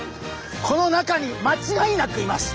この中にまちがいなくいます！